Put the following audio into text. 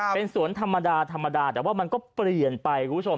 เป็นสวนธรรมดาธรรมดาแต่ว่ามันก็เปลี่ยนไปคุณผู้ชม